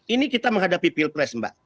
ini kita menghadapi pilpres mbak